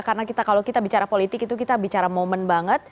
karena kalau kita bicara politik itu kita bicara momen banget